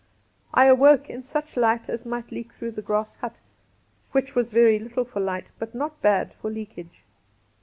I awoke in such light as might leak through the grass hut ; which was very little for light, but not bad for leakage.